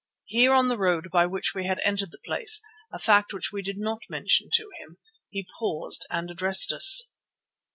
Here on the road by which we had entered the place, a fact which we did not mention to him, he paused and addressed us.